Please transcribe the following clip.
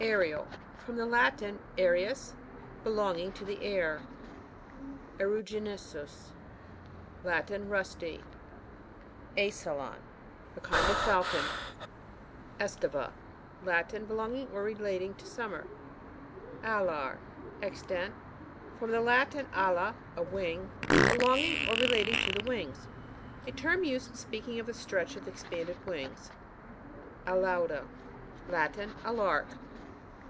Aerial. — From the Latin aeriua: be longing to the air. ^RuoiNosuB. — Latin. Rusty. .£sALON. — Latin. Name of a kind of Falcon. .£sTivA. — Latra. Belonging or re lating to summer. Alar ( Extent. )— From the Latin a2tf, a wing. Belonging or rela ting to the winzs. A term used in speaking of uie stretch of tlie expanded wings. Alauda. — Latin. A lark.